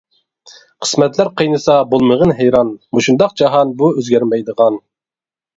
قىسمەتلەر قىينىسا بولمىغىن ھەيران، مۇشۇنداق جاھان بۇ ئۆزگەرمەيدىغان.